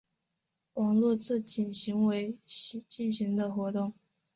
网络自警行为进行的活动。